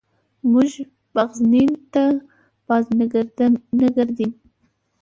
موږ بغزنین ته بازنګردیم.